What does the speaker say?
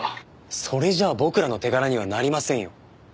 それじゃあ僕らの手柄にはなりませんよ。